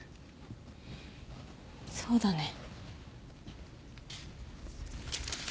そうだね。